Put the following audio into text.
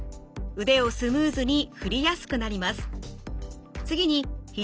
腕をスムーズに振りやすくなります。